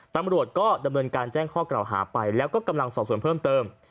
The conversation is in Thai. ตำรวจก็ดำเนินการแจ้งข้อกล่าวหาไปแล้วก็กำลังสอบส่วนเพิ่มเติม